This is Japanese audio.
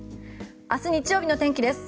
明日日曜日の天気です。